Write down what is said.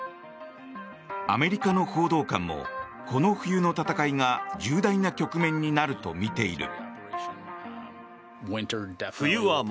アメリカの報道官もこの冬の戦いが重大な局面になるとみている。